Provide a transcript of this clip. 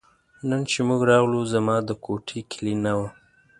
نن چې موږ راغلو زما د کوټې کیلي نه وه.